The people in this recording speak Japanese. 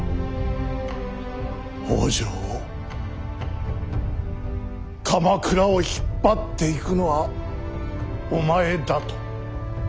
北条を鎌倉を引っ張っていくのはお前だと。